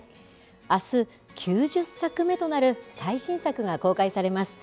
あす、９０作目となる最新作が公開されます。